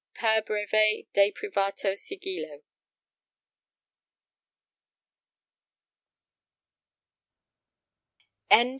per breve de privato sigillo.